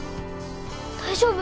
大丈夫？